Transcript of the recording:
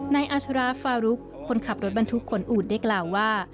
นายอาชราฟารุกคนขับรถบรรทุกขนอูดได้กล่าวว่า